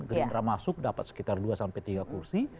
gerindra masuk dapat sekitar dua sampai tiga kursi